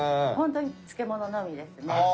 ホントに漬物のみですね。